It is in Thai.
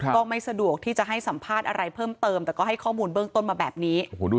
ก็ไม่สะดวกที่จะให้สัมภาษณ์อะไรเพิ่มเติมแต่ก็ให้ข้อมูลเบื้องต้นมาแบบนี้